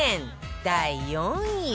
第４位は